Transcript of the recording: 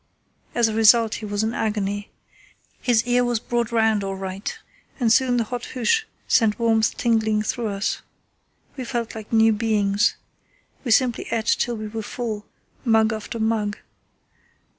As a result he was in agony. His ear was brought round all right, and soon the hot hoosh sent warmth tingling through us. We felt like new beings. We simply ate till we were full, mug after mug.